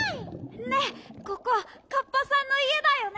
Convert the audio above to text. ねっここカッパさんのいえだよね？